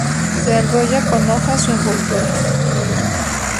Se enrolla con hojas o envolturas.